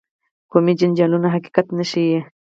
قومي جنجالونه حقیقت نه ښيي.